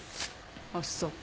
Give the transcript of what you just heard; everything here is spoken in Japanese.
あっそう。